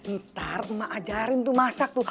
ntar emak ajarin tuh masak tuh